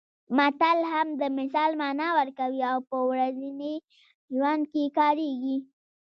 متل هم د مثال مانا ورکوي او په ورځني ژوند کې کارېږي